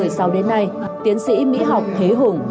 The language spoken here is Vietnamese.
từ năm hai nghìn một mươi sáu đến nay tiến sĩ mỹ học thế hùng